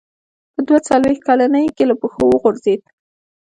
په دوه څلوېښت کلنۍ کې له پښو وغورځېد.